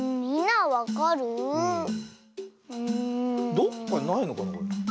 どっかにないのかな？